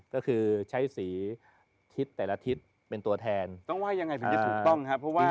ก็คือใช้สีชิดแต่ละชิดเป็นตัวแทนต้องไว้ยังไงถึงที่ถูกต้องเหภะเพราะว่า